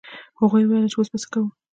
هغوی وویل چې اوس به څه کوو.